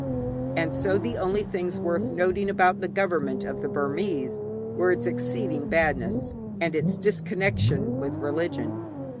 And so the only things worth noting about the government of the Burmese were its exceeding badness, and its disconnection with religion.